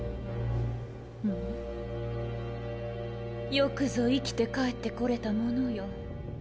よくぞ生きて帰ってこれたものよ。